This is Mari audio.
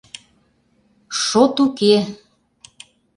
Шот уке!